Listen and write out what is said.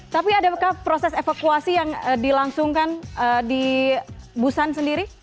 tapi adakah proses evakuasi yang dilangsungkan di busan sendiri